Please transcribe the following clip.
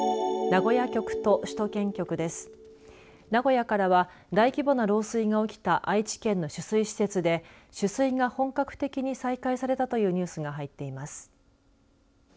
名古屋からは大規模な漏水が起きた愛知県の取水施設で取水が本格的に再開されたというニュースが入っています。